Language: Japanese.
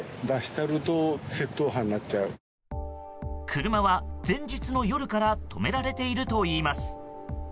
車は、前日の夜から止められているといいます。